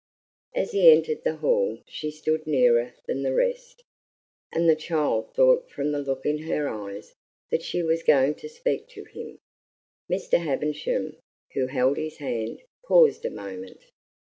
As he entered the hall she stood nearer than the rest, and the child thought from the look in her eyes that she was going to speak to him. Mr. Havisham, who held his hand, paused a moment.